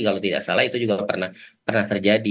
kalau tidak salah itu juga pernah terjadi